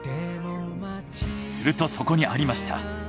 するとそこにありました！